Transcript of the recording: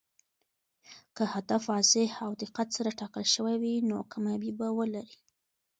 که هدف واضح او دقت سره ټاکل شوی وي، نو کامیابي به ولري.